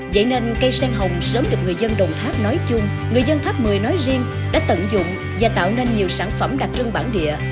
vậy nên cây sen hồng sớm được người dân đồng tháp nói chung người dân tháp mười nói riêng đã tận dụng và tạo nên nhiều sản phẩm đặc trưng bản địa